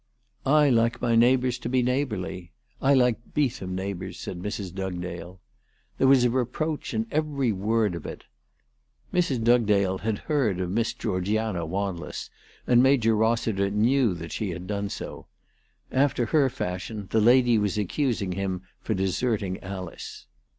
"I like my neighbours to be neighbourly. I like Beetham neighbours," said Mrs. Dugdale. There was a reproach in every word of it. Mrs. Dugdale had heard of Miss Greorgiana Wanless, and Major Hos siter knew that she had done so. After her fashion the lady was accusing him for deserting Alice.